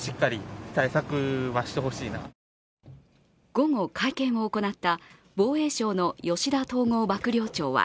午後、会見を行った防衛省の吉田統合幕僚長は